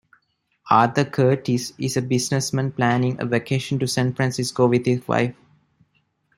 Arthur Curtis is a businessman planning a vacation to San Francisco with his wife.